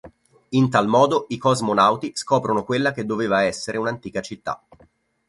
In tal modo, i cosmonauti scoprono quella che doveva essere un'antica città.